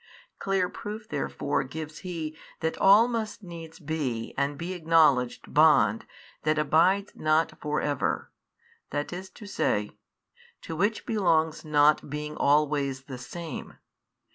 Clear proof therefore gives He that all must needs be and be acknowledged bond that abides not for ever, i. e. to which belongs not being always the same.